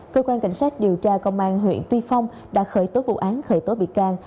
cơ quan cảnh sát điều tra công an huyện tuy phong đã khởi tố vụ án khởi tố bị can